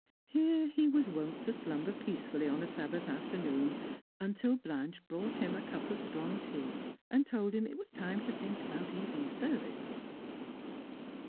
Here he was wont to slumber peacefully on a Sabbath afternoon until \00 Strangers and Pilgrims. Blanche brought him a cup of strong tea, and told him it was time to think about evening service.